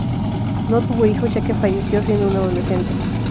No tuvo hijos ya que falleció siendo un adolescente.